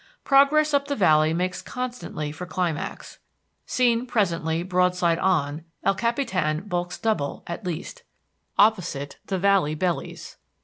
Progress up the valley makes constantly for climax. Seen presently broadside on, El Capitan bulks double, at least. Opposite, the valley bellies.